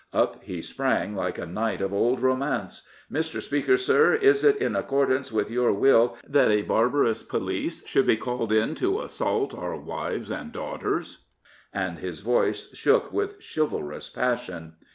Up he sprang like a knight of old romance. " Mr. Speaker, Sir, is it in accordance with your will that a barbarous police should be called in to assault our wives and daughters? " and his voice shook with chivalrous passion.